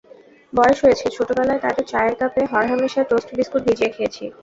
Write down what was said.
বয়স হয়েছে, ছোটবেলায় তাঁদের চায়ের কাপে হরহামেশা টোস্ট বিস্কুট ভিজিয়ে খেয়েছি।